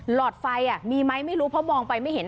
หลอดไฟมีไหมไม่รู้เพราะมองไปไม่เห็น